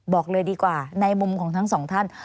บอกเลยดีกว่าในมุมของทั้งสองท่าน